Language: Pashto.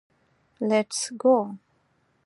لېټس ګو.